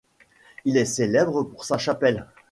Il est célèbre pour sa chapelle.